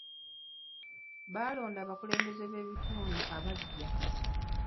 Baalonda abakulembeze b'ebitundu abaggya.